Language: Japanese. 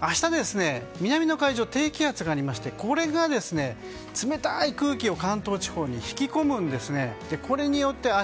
明日、南の海上に低気圧がありまして、これが冷たい空気を関東地方に引き込むんですね。